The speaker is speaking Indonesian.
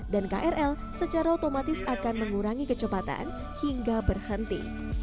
dan krl secara otomatis akan mengurangi kecepatan hingga berhenti